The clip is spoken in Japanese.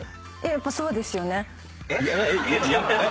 「やっぱりそうですよね」？